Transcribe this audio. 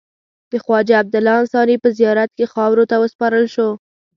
د خواجه عبدالله انصاري په زیارت کې خاورو ته وسپارل شو.